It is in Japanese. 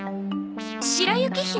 『白雪姫』？